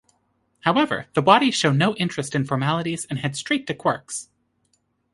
However, the Wadi show no interest in formalities and head straight to Quark's.